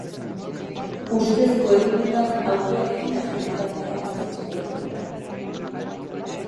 Ustezko errudunak autoarekin agente bat harrapatzen saiatu dira.